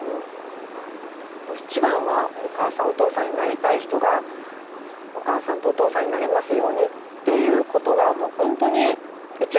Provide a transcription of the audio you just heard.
もう一番はお母さんお父さんになりたい人がお母さんとお父さんになれますようにっていうことがもう本当に一番なんです。